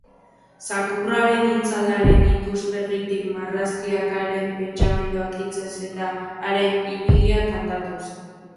Zakurraren itzalaren ikuspegitik marrazkiak, haren pentsamentuak hitzez eta haren ibiliak kantuz.